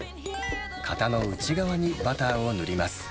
型の内側にバターを塗ります。